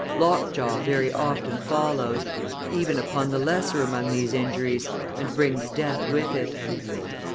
Lockjaw very often follows, even upon the lesser among these injuries, and brings death with it.